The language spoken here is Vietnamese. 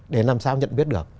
để làm sao nhận biết được